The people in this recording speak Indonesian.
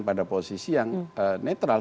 pada posisi yang netral